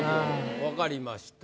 分かりました。